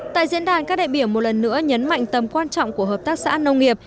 tại diễn đàn các đại biểu một lần nữa nhấn mạnh tầm quan trọng của hợp tác xã nông nghiệp